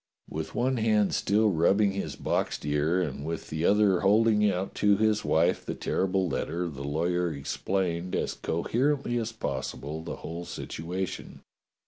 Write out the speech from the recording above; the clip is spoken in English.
With one hand still rubbing his boxed ear and with the other holding out to his wife the terrible letter, the lawyer explained as coherently as possible the whole situation.